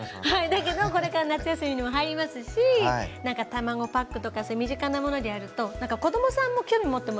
だけどこれから夏休みにも入りますし何か卵パックとかそういう身近なものでやると何か子供さんも興味持ってもらえるかななんて。